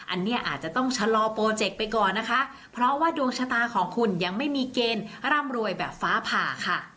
อันนี้อาจจะต้องชะลอโปรเจกต์ไปก่อนนะคะเพราะว่าดวงชะตาของคุณยังไม่มีเกณฑ์ร่ำรวยแบบฟ้าผ่าค่ะ